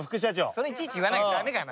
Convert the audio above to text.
それいちいち言わなきゃダメかな。